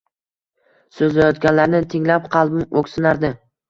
So‘zlayotganlarni tinglab qalbim o‘ksinardi.